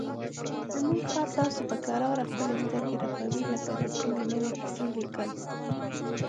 زموږ خر داسې په کراره خپلې سترګې رپوي لکه د کومې نوې کیسې لیکل.